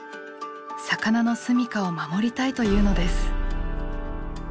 魚の住みかを守りたいというのです。